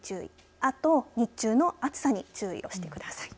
あと日中の暑さに注意してください。